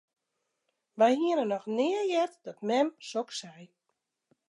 Wy hiene noch nea heard dat mem soks sei.